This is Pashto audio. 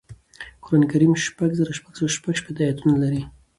قرآن کریم شپږ زره شپږسوه شپږشپیتمه اياتونه لري